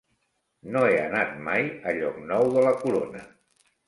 No he anat mai a Llocnou de la Corona.